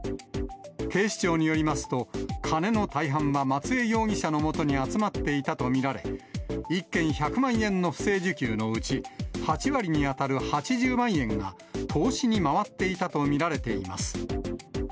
警視庁によりますと、金の大半は松江容疑者のもとに集まっていたと見られ、１件１００万円の不正受給のうち、８割に当たる８０万円が投資に回っていたと見られています。